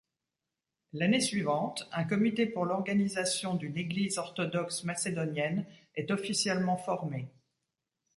L'année suivante, un comité pour l'organisation d'une Église orthodoxe macédonienne est officiellement formé.